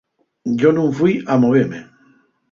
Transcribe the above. Yo nun fui a moveme.